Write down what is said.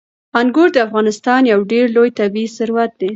انګور د افغانستان یو ډېر لوی طبعي ثروت دی.